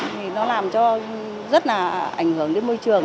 thứ hai là nó làm cho rất là ảnh hưởng đến môi trường